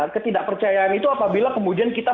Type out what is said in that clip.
ketidakpercayaan itu apabila kemudian kita